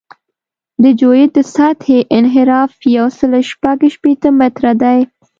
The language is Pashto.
د جیوئید د سطحې انحراف یو سل شپږ شپېته متره دی